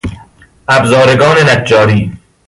ابزارگان نجاری